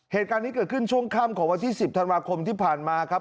เหตุการณ์นี้เกิดขึ้นช่วงค่ำของวันที่๑๐ธันวาคมที่ผ่านมาครับ